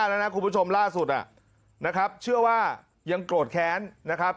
แล้วนะคุณผู้ชมล่าสุดนะครับเชื่อว่ายังโกรธแค้นนะครับ